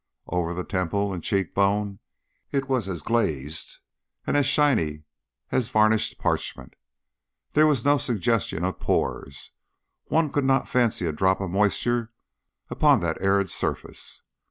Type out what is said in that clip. Over the temple and cheek bone it was as glazed and as shiny as varnished parchment. There was no suggestion of pores. One could not fancy a drop of moisture upon that arid surface.